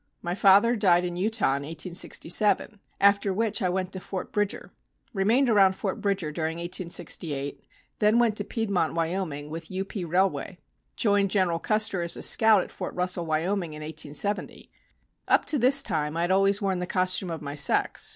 My father died in Utah in 1867, after which I went to Fort Bridger. Remained around Fort Bridger during 1868, then went to Piedmont, Wyoming, with U. P. railway. Joined General Custer as a scout at Fort Russell, Wyoming, in 1870. Up to this time I had always worn the costume of my sex.